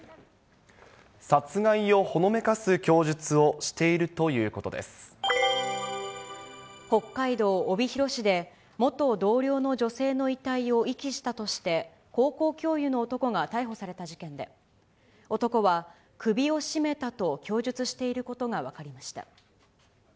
殺害をほのめかす供述をして北海道帯広市で、元同僚の女性の遺体を遺棄したとして、高校教諭の男が逮捕された事件で、男は、首を絞めたと供述していることが分かりました。